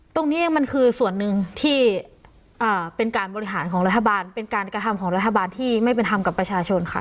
ตรงนี้มันคือส่วนหนึ่งที่เป็นการบริหารของรัฐบาลเป็นการกระทำของรัฐบาลที่ไม่เป็นธรรมกับประชาชนค่ะ